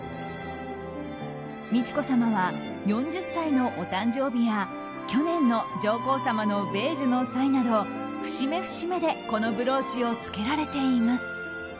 美智子さまは４０歳のお誕生日や去年の上皇さまの米寿の際など節目節目でこのブローチを着けられています。